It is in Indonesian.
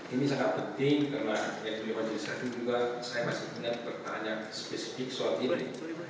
ini sangat penting karena saya masih punya pertanyaan spesifik soal ini